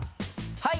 はい！